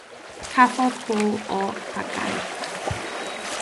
Cafodd bwl o dagu.